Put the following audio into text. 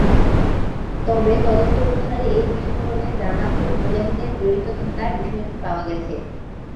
তবে তদন্ত অনুসারে এই বিস্ফোরণে জামায়াত-উল-মুজাহিদীনের জড়িত থাকার বিষয়টি পাওয়া গেছে।